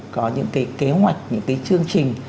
có những cái kế hoạch những cái chương trình